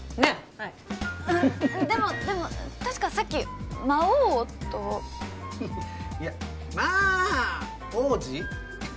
はいでもでも確かさっき「魔王」といやマー王子？